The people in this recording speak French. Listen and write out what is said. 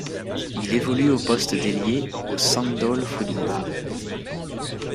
Il évolue au poste d'ailier au Sogndal Fotball.